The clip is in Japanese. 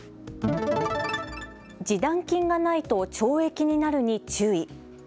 示談金がないと懲役になるに注意。